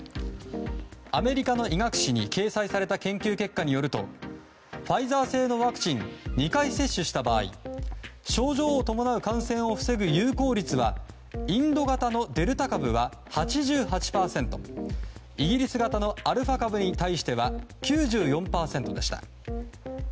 アメリカの医学誌に掲載された研究結果によるとファイザー製のワクチン２回接種した場合症状を伴う感染を防ぐ有効率はインド型のデルタ株は８８％イギリス型のアルファ株に対しては９４％でした。